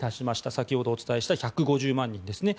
先ほどお伝えした１５０万人ですね。